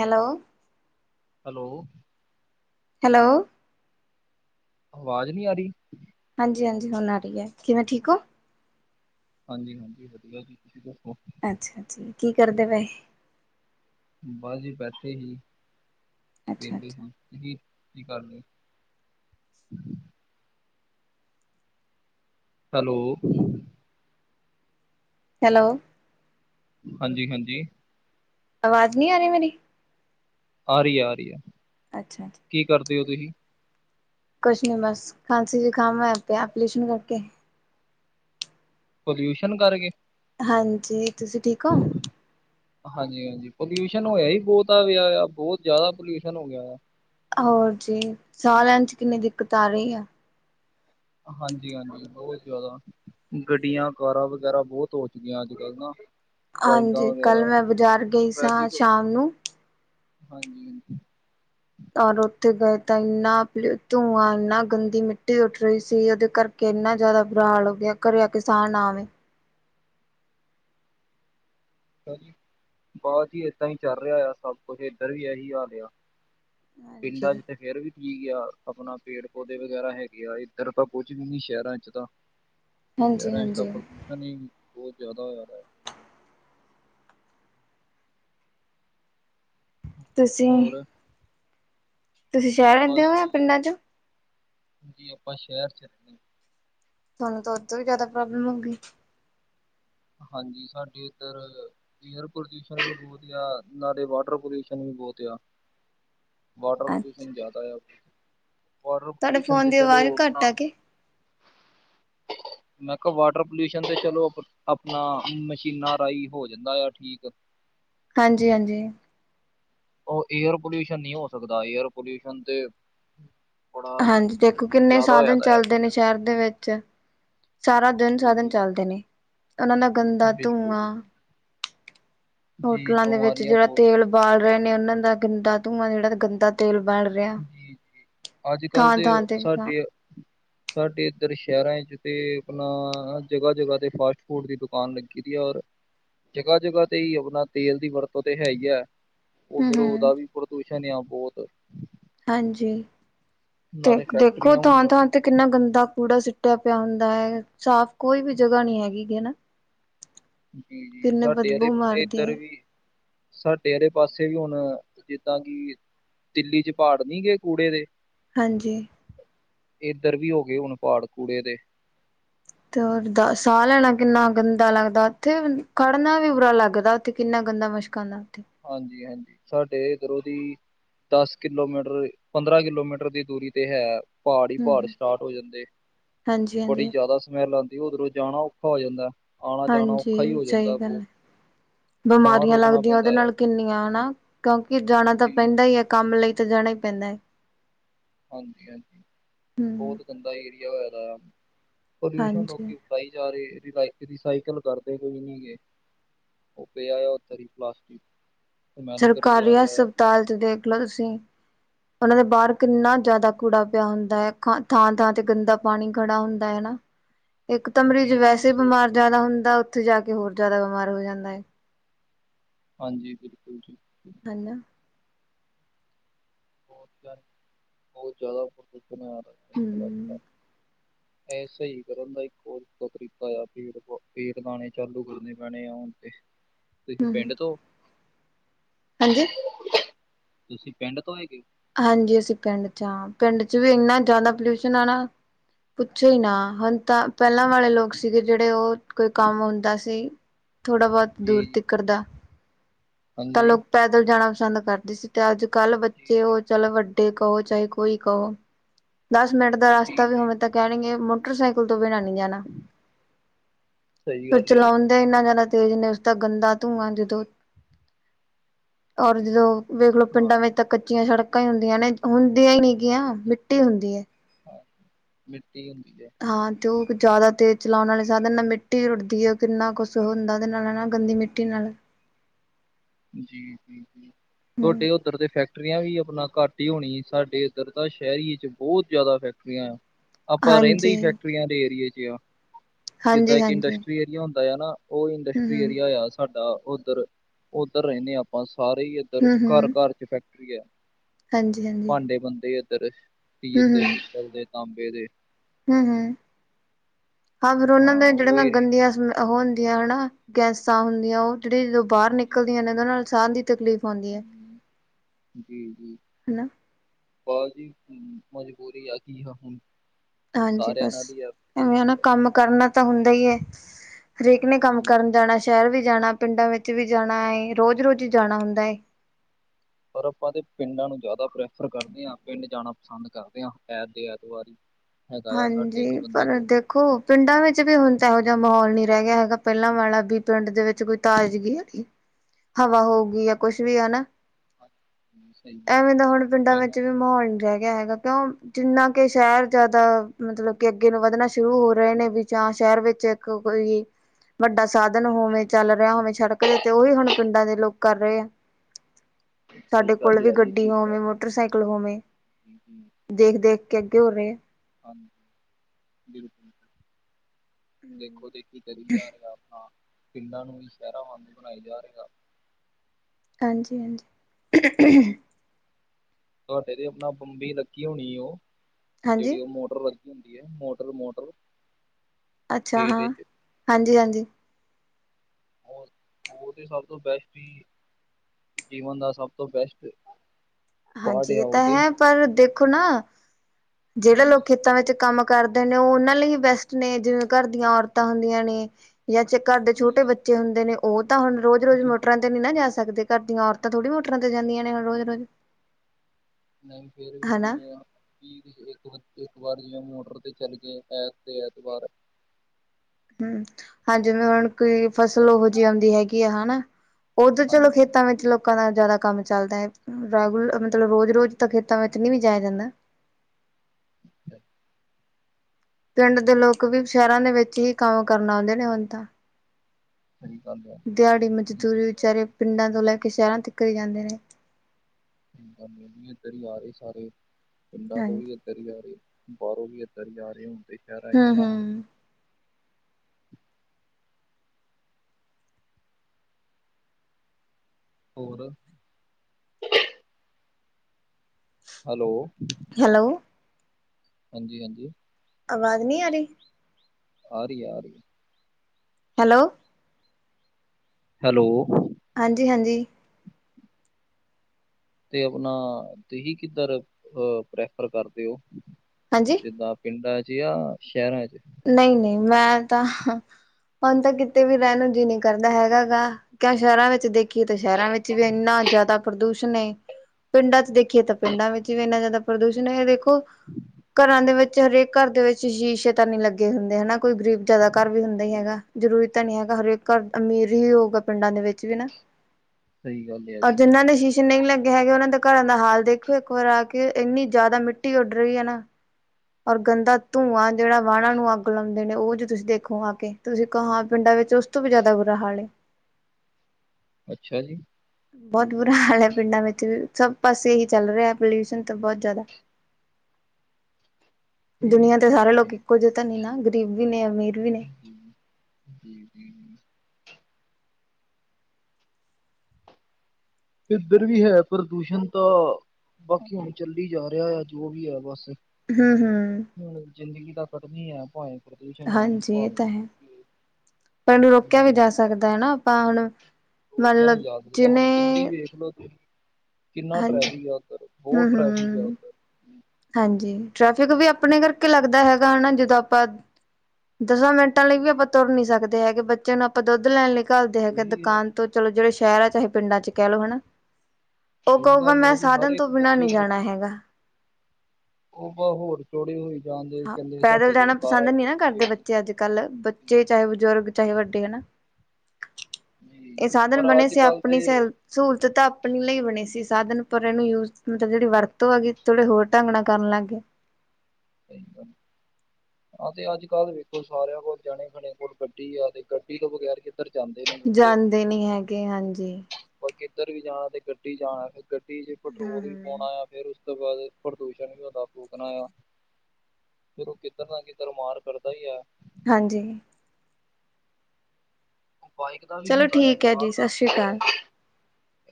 Hello hello hello ਆਵਾਜ਼ ਨੀ ਆ ਰਈ ਹਾਂਜੀ ਹਾਂਜੀ ਹੁਣ ਆ ਰਹੀ ਐ ਕਿਵੇਂ ਠੀਕ ਔ ਹਾਂਜੀ ਹਾਂਜੀ ਵਦੀਆ ਜੀ ਤੁਸੀਂ ਦੱਸੋ ਅੱਛਾ ਜੀ ਕੀ ਕਰਦੇ ਪਏ ਬਸ ਜੀ ਬੈਠੇ ਹੀ ਸੀ ਅੱਛਾ ਵੇਹਲੇ ਅੱਛਾ ਸੀ ਕੀ ਕਰਦੇ ਹੈਲੋ ਹੈਲੋ ਹਾਂਜੀ ਹਾਂਜੀ ਆਵਾਜ਼ ਨਹੀਂ ਆ ਰਹੀ ਮੇਰੀ ਆ ਰਈ ਏ ਆ ਰਈ ਏ ਅੱਛਾ ਅਛਾ ਕੀ ਕਰਦੇ ਔ ਤੁਸੀਂ ਕੁਛ ਨੀ ਬਸ ਖਾਂਸੀ ਜੂਕਾਮ ਹੋਆ ਪਿਆ ਐਪਲੇਸ਼ਨ ਕਰਕੇ ਪਲਿਊਸ਼ਨ ਕਰਕੇ ਹਾਂਜੀ, ਤੁਸੀਂ ਠੀਕ ਓ? ਹਾਂਜੀ, ਹਾਂਜੀ ਪਲਿਊਸ਼ਨ ਹੋਇਆ ਈ ਬਹੁਤ ਪਿਆ ਏ, ਬੋਤ ਜਾਦਾ ਪਲਿਊਸ਼ਨ ਹੋ ਗਿਆ ਆ। ਅ ਹੋਰ ਜੀ, ਸਾਅ ਲੈਣ ਚ ਕਿੰਨੀ ਦਿੱਕਤ ਆ ਰੀ ਐ। ਹਾਂਜੀ, ਹਾਂਜੀ ਬੋਤ ਜਾਦਾ। ਗੱਡੀਆਂ, ਕਾਰਾਂ ਵਗੈਰਾ ਬੋਤ ਹੋ ਚੁੱਕੀਆਂ ਅੱਜ ਕੱਲ੍ਹ ਨਾ। ਬਾਈਕਾਂ ਹਾਂਜੀ, ਕੱਲ ਵਗੈਰਾ ਮੈਂ ਬਾਜ਼ਾਰ ਗਈ ਸਾਂ ਟ੍ਰੈਫਿਕ ਸ਼ਾਮ ਨੂੰ। ਹਾਂਜੀ। ਔਰ ਉੱਥੇ ਗਏ ਤਾਂ ਏਨਾ ਪਲੁ, ਧੂੰਆਂ ਏਨਾ ਗੰਦੀ ਮਿੱਟੀ ਉੱਠ ਰਈ ਸੀ ਉਦੇ ਘਰ। ਕਿ ਏਨਾ ਜਾਦਾ ਬੁਰਾ ਹਾਲ ਹੋ ਗਿਆ, ਘਰੇ ਆ ਕੇ ਸਾਹ ਨਾ ਆਵੇ। [unintelligible] ਜੀ, ਬਾਦ ਜੀ ਏਦਾਂ ਈ ਚੱਲ ਰਿਆ ਸਭ ਕੁਜ, ਏਧਰ ਵੀ ਏਹੀ ਹਾਲ ਆ। ਹਾਂਜੀ ਪਿੰਡਾਂ 'ਚ ਤੇ ਫਿਰ ਵੀ। ਠੀਕ ਆ, ਆਪਣਾ ਪੇਡ-ਪੌਦੇ ਵਗੈਰਾ ਹੈਗੇ ਆ, ਇੱਧਰ ਤਾਂ ਕੁੱਝ ਵੀ ਨੀ ਸ਼ਹਿਰਾਂ 'ਚ ਤਾਂ। ਹਾਂਜੀ ਸ਼ਹਿਰਾਂ 'ਚ ਤਾਂ ਹਾਂਜੀ ਪ੍ਰਦੂਸ਼ਣ ਈ, ਬੋਤ ਜਾਦਾ ਹੋਇਆ ਐ। ਤੁਸੀਂ। ਹੋਰ ਤੁਸੀਂ ਸ਼ਹਿਰ ਰੈਂਦੇ ਬਸ ਓ, ਜਾਂ ਪਿੰਡਾਂ ਚੋਂ? ਜੀ, ਆਪਾਂ ਸ਼ਹਿਰ 'ਚ ਰੈਂਦੇ ਆਂ। ਤਾਨੂੰ ਤਾਂ ਉਤੋਂ ਵੀ ਜਾਦਾ ਪ੍ਰੋਬਲਮ ਹੋ ਗੀ। ਹਾਂਜੀ, ਸਾਡੇ ਏਧਰ। ਏਅਰ ਪੋਲਿਊਸ਼ਨ ਵੀ ਬੋਤ ਆ, ਨਾਲੇ ਵਾਟਰ ਪੋਲਿਊਸ਼ਨ ਵੀ ਬੋਤ ਆ। [inaudible] ਵਾਟਰ ਪੋਲਿਊਸ਼ਨ ਜਾਦਾ ਆ, ਵਾਟਰ ਤੁਹਾਡੇ ਪੋਲਿਊਸ਼ਨ ਫੋਨ ਤੇ ਦੀ ਚਲੋ ਆਵਾਜ਼ ਘੱਟ ਆਪਨਾ। ਆ ਕੇ ਮੈਂ ਕਿਆ, ਵਾਟਰ ਪੋਲਿਊਸ਼ਨ ਤੇ ਚਲੋ। ਆਪਨਾ, ਮਸ਼ੀਨਾਂ ਰਾਈਂ ਹੋ ਜਾਂਦਾ ਐ, ਠੀਕ। ਹਾਂਜੀ-ਹਾਂਜੀ। ਓ ਏਅਰ ਪੋਲਿਊਸ਼ਨ ਨੀ ਹੋ ਸਕਦਾ, ਏਅਰ ਪੋਲਿਊਸ਼ਨ ਤੇ। ਬੜਾ ਹਾਂਜੀ ਦੇਖੋ, ਕਿੰਨੇ ਜ਼ਿਆਦਾ ਹੋਇਆ ਸਾਧਨ ਦਾ ਇਸ ਚੱਲਦੇ ਨੇ ਸ਼ਹਿਰ ਦੇ ਵਿੱਚ। ਸਾਰਾ ਦਿਨ ਟਾਈਮ ਜੀ ਸਾਧਨ ਜੀ ਚੱਲਦੇ ਨੇ, ਉਨਾਂ ਨਾ। ਗੰਦਾ ਬਿਲਕੁਲ ਜੀ ਧੂੰਆਂ, ਬਿਲਕੁਲ। ਜੀ ਹੋਟਲਾਂ ਦੇ ਵਿੱਚ ਬਿਮਾਰੀਆਂ ਜੇੜਾ ਬਹੁਤ ਤੇਲ। ਬਾਲ ਰਏ ਨੇ ਉਨਾਂ ਦਾ ਗੰਦਾ ਧੂੰਆਂ, ਜੇੜਾ ਗੰਦਾ। ਤੇਲ ਬਲ ਰਿਆ। ਜੀ-ਜੀ, ਅੱਜ ਕੱਲ੍ਹ ਤੇ ਓ ਸਾਡੇ। ਸਾਡੇ ਏਧਰ ਸ਼ਹਿਰਾਂ 'ਚ ਤੇ, ਆਪਨਾ, ਜਗ੍ਹਾ-ਜਗ੍ਹਾ ਤੇ ਫਾਸਟ ਫੂਡ ਦੀ ਦੁਕਾਨ ਲੱਗੀ ਦੀ ਐ, ਔਰ। ਜਗ੍ਹਾ-ਜਗ੍ਹਾ ਤੇ ਈ, ਉਹ ਨਾ ਤੇਲ ਦੀ ਵਰਤੋਂ ਤੇ ਹੈ ਈ ਐ। ਓ ਫਿਰ, ਹੂੰ ਓਦਾ ਵੀ ਪ੍ਰਦੂਸ਼ਨ ਐ ਬਹੁਤ। ਹਾਂਜੀ, ਨਾਲੇ ਦੇਖ, ਦੇਖੋ ਫੈਕਟਰੀਆਂ ਹੁਣ ਥਾਂ-ਥਾਂ। ਤੇ ਕਿੰਨਾ ਗੰਦਾ ਕੂੜਾ ਸਿੱਟਿਆ ਪਿਆ ਹੁੰਦਾ ਹੈ। ਸਾਫ਼ ਕੋਈ ਵੀ ਜਗ੍ਹਾ ਨੀ ਹੈਗੀ ਗੀ, ਹੈਨਾ। ਜੀ-ਜੀ, ਸਾਡੇ ਤੇ, ਮਾਰਦੀ ਏਧਰ ਹੈ ਵੀ। ਸਾਡੇ ਆਲੇ ਪਾਸੇ ਵੀ ਹੁਣ, ਜਿੱਦਾਂ ਕੀ। ਦਿੱਲੀ 'ਚ ਪਾੜ ਨੀ ਗੇ, ਕੂੜੇ ਦੇ! ਹਾਂਜੀ। ਏਧਰ ਵੀ ਹੋ ਗਏ ਹੁਨ ਪਾੜ ਕੂੜੇ ਦੇ। [unintelligible] ਦਾ ਸਾਹ ਲੈਣਾ ਕਿੰਨਾ ਗੰਦਾ ਲੱਗਦੈ, ਉੱਥੇ ਵ, ਖੜ੍ਹਨਾ ਵੀ ਬੁਰਾ ਲੱਗਦੈ, ਉੱਥੇ ਕਿੰਨਾ ਗੰਦਾ ਮੁਸ਼ਕ। ਕਲ [unintelligible] ਹਾਂਜੀ, ਹਾਂਜੀ, ਸਾਡੇ ਏਧਰੋ ਦੀ। ਦਸ ਕਿਲੋਮੀਟਰ, ਪੰਦਰਾਂ ਕਿਲੋਮੀਟਰ ਦੀ ਦੂਰੀ ਤੇ ਹੈ। ਪਾੜ ਈ ਪਾੜ ਹਮ ਸਟਾਟ ਹੋ ਜਾਂਦੇ ਹਾਂਜੀ ਬੜੀ ਹਾਂਜੀ ਜਾਦਾ ਸਮੈਲ ਆਂ ਦੀ ਕਿ ਉਧਰੋਂ ਜਾਣਾ ਆ ਔਖਾ ਹੋ ਜਾਂਦਾ ਆਣਾ ਜਾਣਾ ਔਖਾ ਈ ਹੋ ਜਾਂਦਾ ਅੱਗੋ ਓ ਬਮਾਰੀਆਂ ਲੱਗਦੀਆਂ ਉਦੇ ਆ ਨਾਲ ਕਿੰਨੀਆਂ ਹਨਾ ਕਉਂਕਿ ਜਾਣਾ ਤਾਂ ਜੀ ਪੈਂਦਾ ਈ ਐ ਕੰਮ ਲਈ ਤਾਂ ਜਾਣਾ ਈ ਪੈਂਦਾ ਐ ਹਾਂਜੀ ਹਾਂਜੀ ਹਮ ਬਹੁਤ ਗੰਦਾ ਏਰੀਆ ਹੋਇ ਦਾ ਐ ਪੋਲਿਊਸ਼ਨ ਹਾਂਜੀ ਲੋਕੀ ਈ ਫੈਲਾਈ ਜਾ ਰਹੇ ਆ ਸਾਈਕਲ ਕਰਦੇ ਕੋਈ ਨੀ ਗ ਉਹ ਪਿਆ ਆ ਉਹ ਧਰੀ ਪਲਾਸਟਿਕ ਸਮੈਲ ਕਰੀ ਜਾ ਜਰਕਾਰੀ ਰਿਹਾ ਆ ਹਸਪਤਾਲ ਚ ਦੇਖ ਲੋ ਤੁਸੀਂ ਈ ਉਹਨਾਂ ਦੇ ਬਾਹਰ ਕਿੰਨਾ ਹਾਂ, ਜ਼ਿਆਦਾ ਕੂੜਾ ਪਿਆ ਹੁੰਦਾ ਐ ਖਾ ਥਾਂ ਥਾਂ ਤੇ ਗੰਦਾ ਪਾਣੀ ਖੜਾ ਹੁੰਦਾ ਐ ਨਾ ਇੱਕ ਤਾਂ ਮਰੀਜ਼ ਜੀ ਜੀ ਵੈਸੇ ਏ ਸਹੀ ਬਿਮਾਰ ਜ਼ਿਆਦਾ ਹੁੰਦਾ ਉੱਥੇ ਜਾ ਕੇ ਹੋਰ ਜ਼ਿਆਦਾ ਬਿਮਾਰ ਹੋ ਜਾਂਦਾ ਐ ਹਾਂਜੀ ਬਿਲਕੁਲ ਠੀਕ ਹਨਾ ਬਹੁਤ ਬਹੁਤ ਜ਼ਿਆਦਾ ਪਰਦੂਸ਼ਨ ਆ ਰਿਹਾ ਹੈ ਹੂ ਅੱਛਾ। ਐ ਸਹੀ ਕਰਨ ਦਾ ਇੱਕ ਹੋਰ ਤਰੀਕਾ ਆ ਪੇਡ ਪੋ ਲਾਣੇ ਚਾਲੂ ਕਰਨੇ ਪੈਣੇ ਐ ਤੇ ਤੁਹੀ ਹਮ ਪਿੰਡ ਤੋਂ ਓ ਹਾਂਜੀ ਤੁਸੀਂ ਪਿੰਡ ਤੋਂ ਆਏ ਜੀ ਹਾਂਜੀ ਅਸੀਂ ਪਿੰਡ ਚ ਆ ਪਿੰਡ ਚ ਵੀ ਇੰਨਾ ਜਾਲਾਆ ਪੋਲਿਊਸ਼ਨ ਆ ਨਾ ਪੁੱਚੋ ਨਾ ਹਲ ਤਾਂ ਪਹਿਲਾਂ ਵਾਲੇ ਲੋਕ ਸੀਗੇ ਜਿਹੜੇ ਉਹ ਕੋਈ ਕੰਮ ਆਦਾ ਸੀ ਥੋੜਾ ਬਹੁਤ ਦੂਰ ਜੀ ਜੀ ਤੀ ਕਰਦਾ ਆ ਤਾਂ ਹਾਂਜੀ ਲੋਕ ਪੈਦਲ ਜਾਣਾ ਪਸੰਦ ਕਰਦੇ ਸੀ ਤੇ ਅੱਜ ਕੱਲ ਬੱਚ ਜੀ ਤੇ ਜੀ ਉਹ ਚਲ ਵਡ ਵੱਡੇ ਕਹੋ ਚਾਹੇ ਕੋਈ ਕਉ ਦਸ ਮਿੰਟ ਦਾ ਜੀ ਰਸਤਾ ਵੀ ਜੀ ਹੋਵੇਂ ਤਾਂ ਕਹਿਣਗੇ ਮਾ ਮੋਟਰਸਾਈਕਲ ਤੋਂ ਬਿਣਾ ਨੀ ਜਾਣਾ ਸਹੀ ਫਿਰ ਗੱਲ ਹੈ ਜੀ ਚਲਾਉਣ ਤੇ ਇੰਨਾ ਜ਼ਿਆਦਾ ਤੇਜ਼ ਨੇ ਉਸਦਾ ਗੰਦਾ ਧੂੰਆਂ ਜਦੋਂ ਔਰ ਜਦ ਵੇਖਲੋ ਹਾਂ ਪਿੰਡਾਂ ਵਿੱਚ ਤਾਂ ਕੱਚੀਆਂ ਸੜਕਾਂ ਆ ਹੁੰਦੀਆਂ ਨੇ ਹੁੰਦੀਆਂ ਹੀ ਨੀਗੀਆਂ ਮਿੱਟੀ ਹੁੰਦੀ ਐ ਹਾਂ ਮਿੱਟੀ ਹੁੰਦੀ ਐ ਹਾਂ ਤੇ ਉਹ ਜ਼ਿਆਦਾ ਤੇਜ਼ ਚਲਾਉਣ ਵਾਲੇ ਸਾਧਨ ਨਾਲ ਮਿੱਟੀ ਰੁੜਦੀ ਐ ਉਹ ਕਿੰਨਾ ਕੁਛ ਹੁੰਦਾ ਐ ਉਦੇ ਨਾਲ ਨਾ ਗੰਦੀ ਮਿੱਟੀ ਕੀ ਨਲ ਜੀ ਜੀ ਜੀ ਹਾਂ। ਤੁਹਾਡੇ ਉੱਧਰ ਦੇ ਫੈਕਟਰੀਆਂ ਵੀ ਆਵਲਾ ਘੱਟ ਈ ਹੋਣੀ ਸਾਡੇ ਇੱਧਰ ਤਾਂ ਸ਼ਹਿਰੀ ਏ ਚ ਬਹੁਤ ਜ਼ਿਆਦਾ ਫੈਕਟਰੀ ਗਿਆ ਆਪਾਂ ਰਹਿੰਦੇ ਹਾਂਜੀ ਈ ਫੈਕਟਰੀਆਂ ਦੇ ਏਰੀਏ ਚ ਆ ਜਿੱਦਾਂ ਹਾਂਜੀ ਇੱਕ ਹਾਂਜੀ ਇੰਡਸਟਰੀ ਏਰੀਆ ਹੁੰਦਾ ਆ ਨਾ ਉਹ ਹੂੰ ਇੰਡਸਟਰੀ ਹੂੰ ਏਰੀਆ ਆ ਸਾਡਾ ਉੱਧਰ ਉੱਧਰ ਰਹਿੰਣੇ ਆ ਆਪਾਂ ਸਾਰੇ ਹੀ ਇੱਧਰ ਹੂੰ ਘਰ ਹੂੰ ਘਰ ਚ ਫੈਕਟਰੀ ਐ ਹਾਂਜੀ ਹਾਂਜੀ ਭਾਂਡੇ ਬੰਣਦੇ ਇੱਧਰ ਟੀਲ ਦੇ ਪਿੱਤਲ ਦੇ ਤਾਂਬੇ ਦੇ ਏ ਹੂ ਹੂ ਹਾਂ ਫਿਰ ਉਹਨਾਂ ਨੇ ਉਹ ਜਿਹੜੀਆਂ ਏਰੀਆ ਗੰਦੀਆਂ ਸਮੇਲ ਆਹੋ ਹੁੰਦੀਆਂ ਹਨਾ ਗੈਸਾਂ ਹੁੰਦੀਆਂ ਉਹ ਜਿਹੜੀ ਜਦੋਂ ਬਾਹਰ ਨਿਕਲਦੀਆਂ ਨੇ ਉਹਨਾਂ ਨਾਲ ਸਾਹ ਦੀ ਤਕਲੀਫ਼ ਆਉਂਦੀ ਹੈ ਹੂ ਜੀ ਜੀ ਹਨਾ ਬਾਅ ਜੀ ਮਜਬੂਰੀ ਆ ਕੀ ਐ ਹੁਣ ਹਾਂਜੀ ਸਾਰਿਆਂ ਬਸ ਨਾਲ ਹੀ ਆ ਕਿ ਐਵੇਂ ਐ ਨਾ ਕੰਮ ਕਰਨਾ ਤਾਂ ਹੁੰਦਾ ਈ ਐ ਹਰੇਕ ਨੇ ਕੰਮ ਕਰਨ ਜਾਣਾਂ, ਸ਼ਹਿਰ ਵੀ ਜਾਣਾਂ ਪਿੰਡਾਂ ਵਿੱਚ ਵੀ ਜਾਣਾਂ ਏ ਰੋਜ਼- ਰੋਜ਼ ਜਾਣਾਂ ਹੁੰਦਾਂ ਏ। ਪਰ ਆਪਾਂ ਤਾਂ ਪਿੰਡਾਂ ਨੂੰ ਜ਼ਿਆਦਾ ਪ੍ਰੈਫਰ ਕਰਦੇ ਆ, ਪਿੰਡ ਜਾਣਾ ਪਸੰਦ ਕਰਦੇ ਆ ਐਤ ਦੇ ਐਤਵਾਰ ਈ। ਹਾਂਜੀ ਪਰ ਦੇਖੋ ਪਿੰਡਾਂ ਵਿੱਚ ਵੀ ਹੁਣ ਤਾਂ ਐਹੋ ਜਿਹਾਂ ਮਾਹੌਲ ਨੀਂ ਰਹਿ ਗਿਆਂ ਹੈਗਾ ਪਹਿਲਾਂ ਵਾਲਾਂ, ਵੀ ਪਿੰਡ ਦੇ ਵਿੱਚ ਕੋਈ ਤਾਜ਼ਗੀ ਆ ਹਵਾ ਹੋਉਗੀ ਜਾਂ ਕੁੱਛ ਵੀ ਹਨਾ। ਹਾਂਜੀ, ਸਹੀ ਆ ਐਵੇਂ ਦਾ ਹੁਣ ਪਿੰਡਾਂ ਪਹਿਲਾਂ ਵਿੱਚ ਵੀ ਮਾਹੌਲ ਨੀ ਰਹਿ ਗਿਆਂ ਹੈਗਾ। ਕਿਉਂ ਜਿੰਨਾ ਕਿ ਸ਼ਹਿਰ ਜ਼ਿਆਦਾ ਤਾਂ ਮਤਲਬ ਕਿ ਅੱਗੇ ਨੂੰ ਵੱਧਣਾ ਸ਼ੁਰੂ ਹੋ ਰਹੇ ਨੇ, ਵੀ ਜਾਂ ਸ਼ਹਿਰ ਵਿੱਚ ਇੱਕ ਕੋਈ ਵੱਡਾ ਸਾਧਨ ਹੋਵੇਂ ਚੱਲ ਰਿਹਾ ਹੋਵੇ ਸੜਕ ਦੇ ਉਤੇ, ਉਹੀ ਹੁਣ ਪਿੰਡਾਂ ਦੇ ਲੋਕ ਕਰ ਰਹੇ ਆ। ਸਾਡੇ ਸਹੀ ਕੋਲ ਗੱਲ ਵੀ ਆ ਜੀ ਗੱਡੀ ਠੀਕ ਹੋਵੇਂ, ਗੱਲ ਹੈ ਮੋਟਰਸਾਈਕਲ ਹੋਵੇਂ। ਦੇਖ -ਦੇਖ ਕੇ ਅੱਗੇ ਹੋ ਰੇ। ਹਾਂ ਬਿਲਕੁਲ ਦੇਖੋ ਦੇਖੀ ਕਰੀ ਜਾ ਰਿਹਾ ਆਪਣਾ ਪਿੰਡਾਂ ਨੂੰ ਵੀ ਸ਼ਹਿਰਾਂ ਵਾਂਗੂ ਬਣਾਈ ਜਾ ਰਹੇ ਆ। ਹਾਂਜੀ -ਹਾਂਜੀ। ਤੁਹਾਡੇ ਤੇ ਆਪਣਾ ਬੰਬੀ ਲੱਗੀ ਹੋਣੀ ਓ, ਹਾਂਜੀ ਜਿਹੜੀ ਉਹ ਮੋਟਰ ਲ ਹੁੰਦੀ ਐ, ਮੋਟਰ- ਮੋਟਰ। ਅੱਛਾ ਖੇਤ ਹਾਂ, ਵਿੱਚ ਹਾਂਜੀ- ਹਾਂਜੀ। ਉਹ- ਉਹ ਤੇ ਸਭ ਤੋਂ ਬੈਸਟ ਹੀ ਜੀਵਨ ਦਾ ਸਭ ਤੋਂ ਬੈਸਟ ਹਾਂਜੀ ਪਾਰਟ ਇਹ ਆ ਉਹ ਤਾਂ ਤੇ ਹੈ, ਪਰ ਦੇਖੋ ਨਾ ਜਿਹੜੇ ਲੋਕ ਹਾਂਜੀ ਖੇਤਾਂ ਵਿੱਚ ਕੰਮ ਕਰਦੇ ਨੇ ਉਹ ਉਹਨਾਂ ਲਈ ਹੀ ਬੈਸਟ ਨੇ ਜਿਵੇਂ ਘਰ ਦੀਆਂ ਔਰਤਾਂ ਹੁੰਦੀਆਂ ਨੇ ਜਾਂ ਘਰ ਦੇ ਛੋਟੇ ਬੱਚੇ ਹਾਂਜੀ ਬੱਚੇ ਹੁੰਦੇ ਨੇ, ਉਹ ਤਾਂ ਹੁਣ ਰੋਜ਼- ਰੋਜ਼ ਜੀ, ਮੋਟਰਾਂ ਤੇ ਨਹੀਂ ਨਾ ਜਾ ਸਕਦੇ, ਘਰ ਦੀਆਂ ਔਰਤਾਂ ਥੋੜੀ ਮੋਟਰਾਂ ਤੇ ਜਾਂਦੀਆਂ ਨੇ ਰੋਜ਼- ਰੋਜ਼। ਨਹੀ ਫੇਰ ਵੀ ਹਨਾ ਜਿਵੇਂ ਆ। ਕੀ ਤੁ ਇੱਕ -ਇੱਕ ਵਾਰੀਂ ਜਿਵੇਂ ਮੋਟਰ ਤੇ ਚਲੀਏ ਐਤ ਦੇ ਐਤਵਾਰ। ਹੂੰ ਹਾਂ ਜਿਵੇਂ ਹੁਣ ਕੋਈ ਫਸਲ ਉਹੋ ਜਿਹੀ ਆਉਂਦੀ ਹੈਗੀ ਆ ਹਨਾ। ਉਹ ਤੇ ਚਲੋ ਖੇਤਾਂ ਹਾਂਜੀ ਵਿੱਚ ਲੋਕ ਲੋਕਾਂ ਦਾ ਜ਼ਿਆਦਾ ਕੰਮ ਚੱਲਦਾ ਐ, ਰੈਗੂਲ ਮਤਲਬ ਰੋਜ਼- ਰੋਜ਼ ਤਾਂ ਖੇਤਾਂ ਵਿੱਚ ਨਹੀ ਵੀ ਜਾਇਆਂ ਜਾਂਦਾ। ਚੱਲ ਪਿੰਡ ਦੇ ਲੋਕ ਵੀ ਸ਼ਹਿਰਾਂ ਦੇ ਵਿੱਚ ਹੀ ਕੰਮ ਕਰਨ ਆਉਂਦੇ ਨੇ ਹੁਣ ਤਾਂ। ਸਹੀ ਗੱਲ ਆ। ਦਿਹਾੜੀ ਮਜ਼ਦੂਰੀ ਵਿਚਾਰੇ ਪਿੰਡਾਂ ਤੋਂ ਲੈ ਕੇ ਸ਼ਹਿਰਾਂ ਤਿਕਰ ਹੀ ਜਾਂਦੇ ਨੇ। ਹਾਂਜੀ -ਹਾਂਜੀ ਇਧਰ ਹੀ ਆ ਰੇ ਸਾਰੇ ਪਿੰਡਾਂ ਤੋਂ ਹਾਂਜੀ ਵੀ ਏਦਰ ਹੀ ਆ ਰੇ ਬਾਹਰੋਂ ਵੀ ਏਦਰ ਹੀ ਆਰੇ, ਹੁਣ ਤੇ ਸ਼ਹਿਰਾਂ ਚ ਹੂੰ ਕੰਮ ਹੂੰ ਹੋਰ। ਹੈਲੋ। ਹੈਲੋ। ਹਾਂਜੀ- ਹਾਂਜੀ। ਆਵਾਜ਼ ਨੀਂ ਆ ਰੀ। ਆ ਰੀ, ਆ ਰੀ। ਹੈਲੋ। ਹੈਲੋ। ਹਾਂਜੀ -ਹਾਂਜੀ। ਤੇ ਆਪਣਾ ਤੁਹੀ ਕਿੱਧਰ ਪ੍ਰੈਫਰ ਕਰਦੇ ਹੋ ਹਾਂਜੀ ਜਿੱਦਾਂ। ਪਿੰਡਾਂ ਚ ਜਾਂ ਸ਼ਹਿਰਾਂ ਚ। ਨਹੀਂ ਨਹੀਂ ਮੈਂ ਤਾਂ, ਹੁਣ ਤਾਂ ਕਿਤੇ ਵੀ ਰਹਿਣ ਨੂੰ ਜੀ ਨਹੀਂ ਕਰਦਾ ਹੈਗਾ ਗਾ ਕ ਸ਼ਹਿਰਾਂ ਵਿੱਚ ਦੇਖੀਏ ਤਾਂ ਸ਼ਹਿਰਾਂ ਵਿੱਚ ਵੀ ਇੰਨਾ ਜ਼ਿਆਦਾ ਪ੍ਰਦੂਸ਼ਣ ਏ, ਪਿੰਡਾਂ ਚ ਦੇਖੀ ਦੇਖੀਏ ਤਾਂ ਪਿੰਡਾਂ ਵਿੱਚ ਵੀ ਇਨਾ ਜ਼ਿਆਦਾ ਪ੍ਰਦੂਸ਼ਣ ਹੈ, ਇਹ ਦੇਖੋ ਘਰਾਂ ਦੇ ਵਿੱਚ ਵਿੱਚ ਹਰੇਕ ਘਰ ਦੇ ਵਿੱਚ ਸ਼ੀਸੇ ਤਾ ਨੀ ਲੱਗੇ ਹੁੰਦੇ, ਹੈਨਾ ਕੋਈ ਗ਼ਰੀਬ ਜ਼ਿਆਦਾ ਘਰ ਵੀ ਹੁੰਦਾ ਹੀ ਜੀ ਹੈਗਾ ਜ਼ਰੂਰੀ ਤਾਂ ਨਹੀਂ ਹੈਗਾ, ਹਰੇਕ ਘਰ ਅਮੀਰ ਹੀ ਹੋਊਗਾ ਪਿੰਡਾਂ ਦੇ ਵਿੱਚ ਜਿਵੇੰ ਨਾ, ਸਹੀ ਗੱਲ ਹੈ ਔਰ ਜੀ ਜਿੰਨਾਂ ਨੇ ਸ਼ੀਸ਼ ਜੇ ਨਹੀ ਲੱਗੇ ਹੈਗੇ, ਉਹਨਾਂ ਦੇ ਘਰਾਂ ਦਾ ਹਾਲ ਦੇਖੋ ਇੱਕ ਵਾਰ ਆ ਕੇ, ਇੰਨੀ ਜ਼ਿਆਦਾ ਮਿੱਟੀ ਉੱਡ ਰਹੀ ਹੈ ਔਰ ਗੰਦਾ ਧੂੰਆਂ ਜਿਹੜਾ ਵਾਹਣਾ ਨੂੰ ਅੱਗ ਲਾਉਂਦੇ ਨੇ, ਉਹ ਜ ਤੁਸੀਂ ਦੇਖੋ ਆ ਕੇ ਤੁਸੀਂ ਕਹ ਪਿੰਡਾਂ ਵਿੱਚ ਉਸ ਤੋਂ ਵੀ ਜ਼ਿਆਦਾ ਬੁਰਾ ਹਾਲ ਹੈ ਅੱਛਾ ਜੀ ਬਹੁਤ ਬੁਰਾ ਹਾਲ ਹੈ ਪਿੰਡਾਂ ਵਿੱਚ ਵੀ, ਸਭ ਪਾਸੇ ਹੀ ਚੱਲ ਰਿਹਾ ਪੋਲਿਊਸ਼ਨ ਤਾਂ ਬਹੁਤ ਜ਼ਿਆਦਾ ਠੀਕ ਦੁਨੀਆਂ ਤੇ ਠੀਕ ਸਾਰੇ ਲੋਕ ਠੀਕ ਇੱਕੋ ਜੇ ਤੇ ਨਹੀਂ ਨਾ, ਗ਼ਰੀਬ ਵੀ ਨੇ ਅਮੀਰ ਵੀ ਨੇ ਜੀ ਜੀ ਜੀ ਇੱਧਰ ਵੀ ਹੈ ਪ੍ਰਦੂਸ਼ਣ ਤਾਂ ਬਾਕੀ ਹੁਣ ਚੱਲੀ ਜਾ ਰਿਹਾ ਆ, ਜੋ ਵੀ ਹੈ ਬਸ ਹੂ ਹੂ ਜ਼ਿੰਦਗੀ ਦਾ ਕਟਨੀ ਹੀ ਹੈ, ਭਾਵੇਂ ਪ੍ਰਦੂਸ਼ਣ ਹੋਏ ਹਾਂਜੀ ਇਹ ਭਾਵੇਂ ਤਾਂ ਹੈ ਆਪੈ ਨੂੰ ਰੋਕਿਆ ਵੀ ਹਮ ਜਾ ਬਾਕੀ ਸਕਦਾ ਹੈ, ਆਪਾਂ ਹੁਣ ਮਤਲਬ ਜਿੰਨੇ ਜੀ ਵੇਖ ਲੋ, ਕਿੰਨਾ ਹਾਂਜੀ ਟ੍ਰੈਫਿਕ ਆ ਉੱਧਰ, ਹੂੰ ਬਹੁਤ ਟ੍ਰੈਫਿਕ ਆ ਹੂੰ ਉਧਰ ਹਾਂਜੀ ਟ੍ਰੈਫਿਕ ਵੀ ਆਪਣੇ ਕਰਕੇ ਲੱਗਦਾ ਹੈਗਾ ਹਨਾ ਜਦੋਂ ਆਪਾਂ ਦਸਾਂ ਮਿੰਟ ਟਾਂ ਲਈ ਵੀ ਆਪਾਂ ਤੁਰ ਨੀ ਸਕਦੇ ਹੈਗੇ, ਬੱਚੇ ਨੂੰ ਆਪਾਂ ਦੁੱਧ ਲੈਣ ਲਈ ਘਲਦੇ ਹੈਗੇ ਉਹੀ ਦੁਕਾਨ ਚਲੋ ਜਿਹੜੇ ਸ਼ਹਿਰ ਚਾਹੇ ਪਿੰਡਾਂ ਚ ਕਹਿ ਲੋ ਹੈਨਾ ਉਹ ਸਹੀ ਕਹੂਗਾ ਗੱਲ ਮੈਂ ਹੈ ਜੀ ਹਰ ਸਾਧਨ ਤੋਂ ਇੱਕ ਬਿਨਾਂ ਬੱਚੇ ਨਹੀਂ ਜਾਣਾ ਹੈਗਾ ਉਹ ਬ ਹੋਰ ਜੋੜੀ ਹੋਈ ਜਾਣ ਦੇ ਹਾਂ ਪੈਦਲ ਜਾਣਾ ਪਸੰਦ ਨਹੀਂ ਨਾ ਕਰਦੇ, ਬੱਚੇ ਅੱਜ ਕੱਲ੍ਹ ਬ ਜੇ ਚਾਹੇ ਬਜ਼ੁਰਗ ਚਾਹੇ ਵੱਡੇ ਹੈਨਾ, ਜੀ। ਇਹ ਸਾਧਨ ਪਰ ਬਣੇ ਅੱਜ ਸੀ ਕੱਲ ਆਪਣੀ ਤੇ ਸ ਸਹੂਲਤ ਤਾਂ ਆਪਣੀ ਲਈ ਬਣੀ ਸੀ ਸਾਧਨ, ਪਰ ਇਹ ਨੂੰ ਯੂਜ ਮਤਲਬ ਜਿਹੜੀ ਵਰਤੋਂ ਆ ਗਈ ਥੋੜੇ ਹੋਰ ਢੰਗ ਨਾਲ ਕਰਨ ਲੱਗ ਗਏ ਸਹੀਦਾ [unintelligible] ਹਾਂ ਤੇ ਅੱਜ ਕੱਲ੍ਹ ਦੇੇਖੋ ਸਾਰਿਆਂ ਕੋਲ ਜਾਣੇ ਖਣੇ ਕੋਲ ਗੱਡੀ ਆ, ਤੇ ਗੱਡੀ ਤੋਂ ਬਗੈਰ ਕਿ ਉੱਧਰ ਜਾਂਦੇ ਨੇ ਬੰਦੇ ਜਾਂਦੇ ਨੀ ਹੈਗੇ ਹਾਂਜੀ। ਪਰ ਕਿੱਧਰ ਵੀ ਜਾਣਾ ਤੇ ਗੱਡੀ ਜਾਣਾ, ਗੱਡੀ ਚ ਪੈਟਰੋਲ ਵੀ ਫੋਨ ਹੂੰ ਆਯਾ ਫੇਰ ਉਸ ਤੋਂ ਬਾਅਦ ਪ੍ਰਦੂਸ਼ਣ ਵੀ ਔਦਾ ਫੂਕਣਾ ਆ ਫਿਰ ਉਹ ਕਿਧਰ ਨਾ ਕਿਧਰ ਮਾਰ ਕਰਦਾ ਹੀ ਹੈ ਹਾਂਜੀ ਬਾਈਕ ਦਾ ਵੀ ਚਲੋ ਹੁੰਦਾ ਆ, ਠੀਕ ਹੈ ਜੀ ਕਾਰ ਦਾ ਸਤਿ ਸ਼੍ਰੀ ਅਕਾਲ।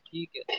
ਠੀਕ ਹੈ